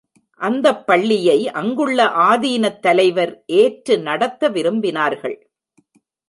அந்தப் பள்ளியை அங்குள்ள ஆதீனத் தலைவர் ஏற்று நடத்த விரும்பினார்கள்.